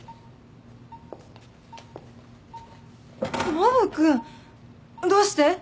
ノブ君どうして？